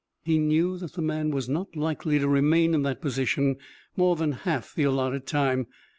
He knew that the man was not likely to remain in that position more than half the allotted time.